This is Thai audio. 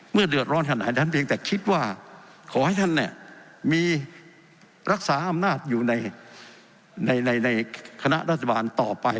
เดือดร้อนขนาดนั้นเพียงแต่คิดว่าขอให้ท่านมีรักษาอำนาจอยู่ในคณะรัฐบาลต่อไป